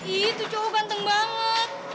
itu cowok ganteng banget